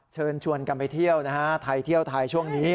เชิญชวนกันไปเที่ยวนะฮะไทยเที่ยวไทยช่วงนี้